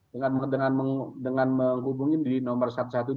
dengan menghubungi di nomor satu ratus dua belas